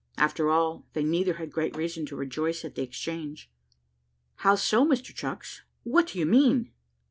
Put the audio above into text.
After all, they neither had great reason to rejoice at the exchange." "How so, Mr Chucks what do you mean?"